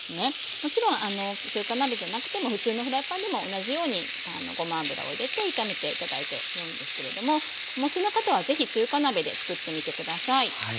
もちろん中華鍋じゃなくても普通のフライパンでも同じようにごま油を入れて炒めて頂いてよいですけれどもお持ちの方は是非中華鍋でつくってみて下さい。